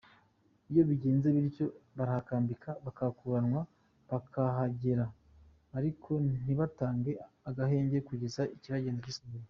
Iyo bigenze bityo, barahakambika, bakakuranwa kuhagera ariko ntibatange agahenge kugeza ikibagenza gisohoye.